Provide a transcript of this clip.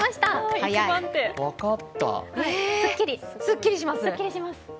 すっきりします。